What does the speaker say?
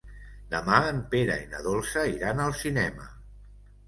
Demà en Pere i na Dolça iran al cinema.